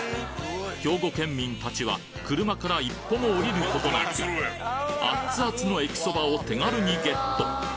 兵庫県民たちは車から一歩も降りることなくアッツアツのえきそばを手軽にゲット